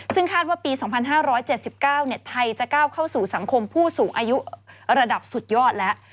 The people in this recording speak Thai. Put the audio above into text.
ซึ่งคาดว่าปี๒๕๗๙ไทยจะก้าวเข้าสู่สังคมผู้สูงอายุระดับสุดยอดแล้ว